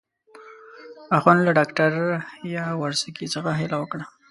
اخند له ډاکټر یاورسکي څخه هیله وکړه.